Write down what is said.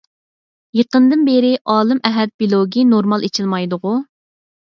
يېقىندىن بېرى ئالىم ئەھەت بىلوگى نورمال ئېچىلمايدىغۇ؟